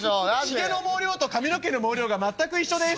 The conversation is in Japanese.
「ヒゲの毛量と髪の毛の毛量が全く一緒です」。